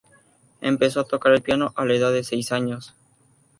Empezó a tocar el piano a la edad de seis años.